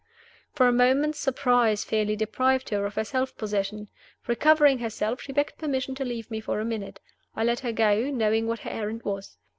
For a moment surprise fairly deprived her of her self possession. Recovering herself, she begged permission to leave me for a minute. I let her go, knowing what her errand was.